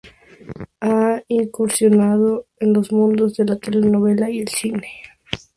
Ha incursionado en los mundos de la telenovela y el cine.